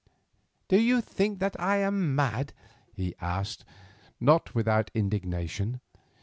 "Do you think that I am mad?" he asked, not without indignation.